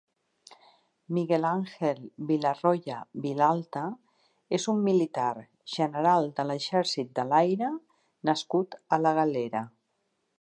Miguel Ángel Villarroya Vilalta és un militar, general de l'Exèrcit de l'Aire nascut a la Galera.